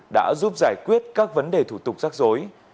đã giúp giải quyết các vấn đề thủ tục rắc rối